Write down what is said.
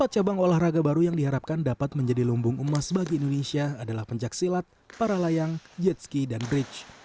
empat cabang olahraga baru yang diharapkan dapat menjadi lumbung emas bagi indonesia adalah pencaksilat paralayang jetski dan bridge